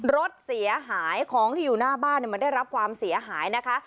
รถเสียหายของที่อยู่หน้าบ้านมันได้รับความเสียหายนะคะ